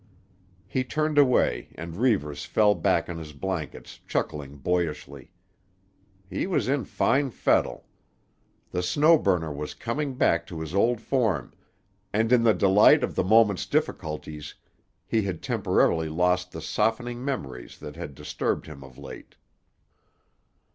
He turned away and Reivers fell back on his blankets chuckling boyishly. He was in fine fettle. The Snow Burner was coming back to his old form, and in the delight of the moment's difficulties he had temporarily lost the softening memories that had disturbed him of late.